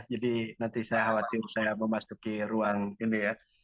jadi nanti saya khawatir saya memasuki ruang ini ya